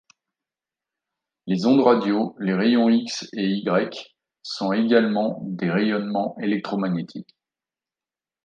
Les ondes radio, les rayons X et γ sont également des rayonnements électromagnétiques.